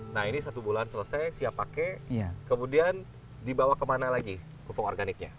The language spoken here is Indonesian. nah ini satu bulan selesai siap pakai kemudian dibawa kemana lagi pupuk organiknya